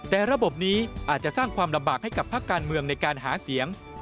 แต่ระบบนี้อาจจะสร้างความลำบากให้กับภาคการเมืองในการหาเสียง